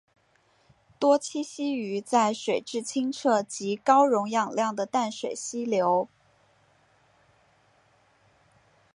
多栖息于在水质清澈及高溶氧量的淡水溪流。